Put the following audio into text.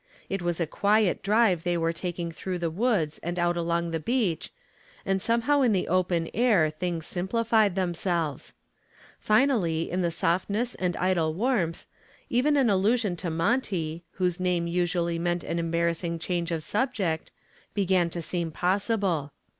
It was a quiet drive they were taking through the woods and out along the beach, and somehow in the open air things simplified themselves. Finally, in the softness and the idle warmth, even an allusion to Monty, whose name usually meant an embarrassing change of subject, began to seem possible.